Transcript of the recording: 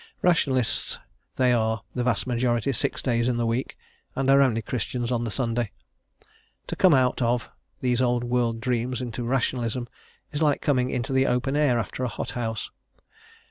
Rationalists they are, the vast majority, six days in the week, and are only Christians on the Sunday. To come out of, these old world dreams into Rationalism is like coming into the open air after a hothouse.